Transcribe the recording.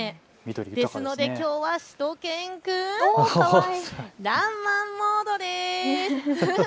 ですのできょうはしゅと犬くん、らんまんモードです。